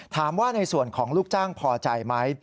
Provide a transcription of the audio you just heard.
ถามว่าในส่วนของลูกจ้างพอใจไหม